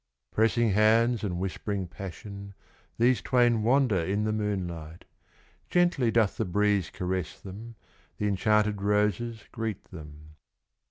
Pressing hands and whispering passion, These twain wander in the moonlight. Gently doth the breeze caress them, The enchanted roses greet them.